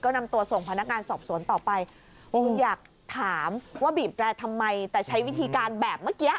นำตัวส่งพนักงานสอบสวนต่อไปคุณอยากถามว่าบีบแรร์ทำไมแต่ใช้วิธีการแบบเมื่อกี้